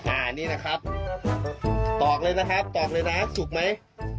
อันนี้นะครับตอบเลยนะครับตอบเลยนะสุกไหม